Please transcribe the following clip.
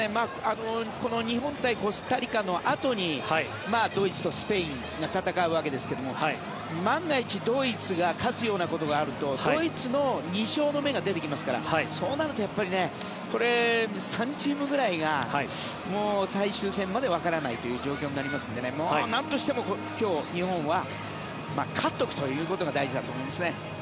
この日本対コスタリカのあとにドイツとスペインが戦うわけですけども万が一、ドイツが勝つようなことがあるとドイツの２勝の目が出てきますからそうなるとこれ３チームぐらいが最終戦までわからないという状況になりますのでなんとしても今日、日本は勝っておくということが大事だと思いますね。